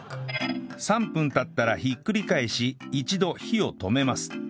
３分経ったらひっくり返し一度火を止めます